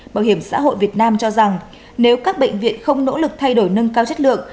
bảo hiểm xã hội việt nam cho rằng nếu các bệnh viện không nỗ lực thay đổi nâng cao chất lượng